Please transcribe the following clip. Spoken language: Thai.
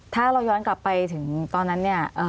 ถ้าเราย้อนกลับไปถึงตอนนั้นเนี่ย